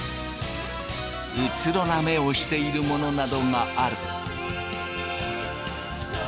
うつろな目をしているものなどがある。